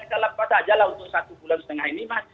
kita lepas aja lah untuk satu bulan setengah ini mas